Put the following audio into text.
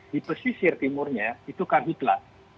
di pesisir timurnya itu karhutlah